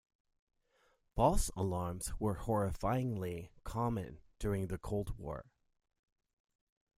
False alarms were horrifyingly common during the Cold War.